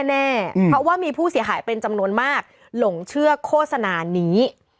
แน่เพราะว่ามีผู้เสียหายเป็นจำนวนมากหลงเชื่อโฆษณานี้